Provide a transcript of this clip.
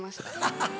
ハハハハ！